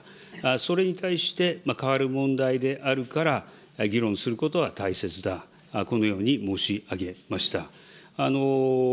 それに対して、変わる問題であるから議論することは大切だ、このように申し上げました。